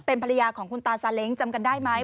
เป็นภรรยาของคุณตาซาเล้งจำกันได้ไหม